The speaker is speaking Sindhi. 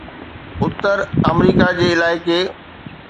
اتر آمريڪا جي علائقي